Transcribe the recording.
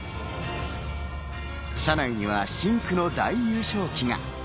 車内には真紅の大優勝旗が。